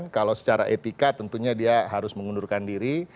kalau secara etika tentunya dia harus mengundurkan diri